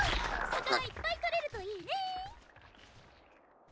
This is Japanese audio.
魚いっぱいとれるといいねえ